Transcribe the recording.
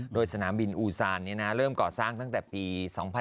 โดยสนามบินอูซานเนี่ยนะเริ่มก่อสร้างตั้งแต่ปี๒๐๑๕